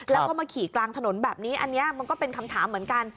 แล้วก็มาขี่กลางถนนแบบนี้อันนี้มันก็เป็นคำถามเหมือนกัน